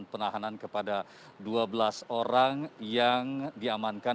penahanan kepada dua belas orang yang diamankan